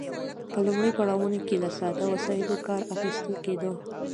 په لومړیو پړاوونو کې له ساده وسایلو کار اخیستل کیده.